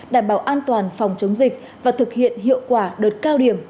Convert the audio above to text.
đảm bảo an toàn phòng chống dịch và thực hiện hiệu quả đợt cao điểm